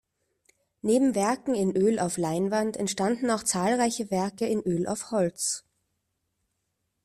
Neben Werken in Öl auf Leinwand, entstanden auch zahlreiche Werke in Öl auf Holz.